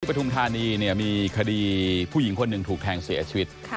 ปฐุมธานีเนี่ยมีคดีผู้หญิงคนหนึ่งถูกแทงเสียชีวิต